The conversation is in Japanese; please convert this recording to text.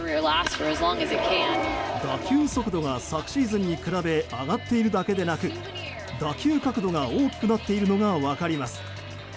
打球速度が昨シーズンに比べ上がっているだけでなく打球角度が大きくなっているのが分かります。